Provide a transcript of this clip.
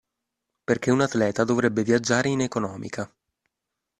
Perché un atleta dovrebbe viaggiare in economica.